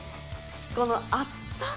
この厚さ？